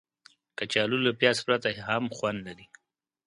کچالو له پیاز پرته هم خوند لري